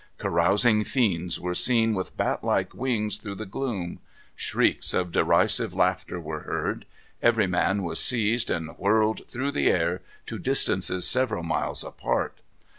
Carousing fiends were seen with bat like wings through the gloom. Shrieks of derisive laughter were heard. Every man was seized, and whirled through the air to distances several miles apart.